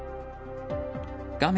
画面